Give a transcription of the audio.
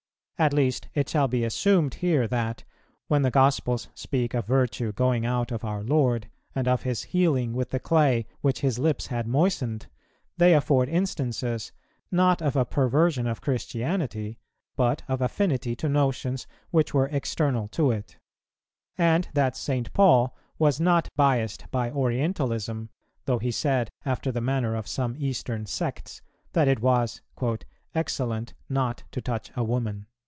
At least it shall be assumed here that, when the Gospels speak of virtue going out of our Lord, and of His healing with the clay which His lips had moistened, they afford instances, not of a perversion of Christianity, but of affinity to notions which were external to it; and that St. Paul was not biassed by Orientalism, though he said, after the manner of some Eastern sects, that it was "excellent not to touch a woman."